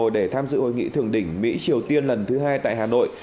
để tham dự hội nghị thượng đỉnh mỹ triều tiên lần thứ hai tại hà nội